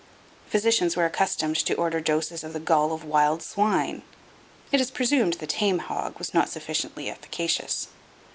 Physicians were accustomed to order doses of the gall of wild swine. It is presumed the tame hog was not sufficiently efficacious.